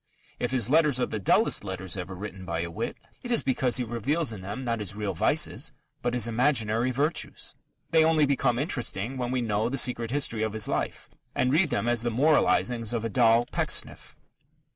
If his letters are the dullest letters ever written by a wit, it is because he reveals in them not his real vices but his imaginary virtues. They only become interesting when we know the secret history of his life and read them as the moralizings of a doll Pecksniff.